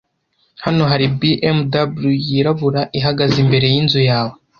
Hano hari BMW yirabura ihagaze imbere yinzu yawe.